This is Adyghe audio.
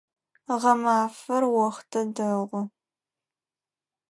Гъэмафэр охътэ дэгъу.